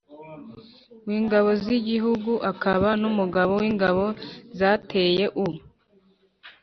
w'ingabo z'igihugu akaba n'umugaba w'ingabo zateye u